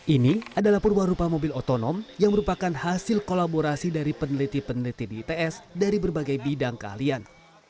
ini adalah perubahan rupa mobil otonom yang merupakan hasil kolaborasi dari peneliti peneliti di its dari berbagai bidang keahlian